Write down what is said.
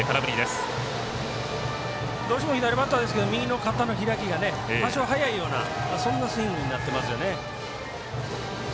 左バッターですけど右の肩の開きが早いようなそんなスイングになっていますよね。